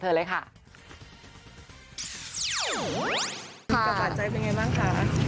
กฎ่าสะใจเป็นยังไงบ้างค่ะ